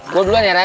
gue duluan ya ray